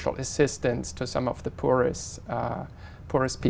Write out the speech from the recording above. chúng ta đạt được khá đặc biệt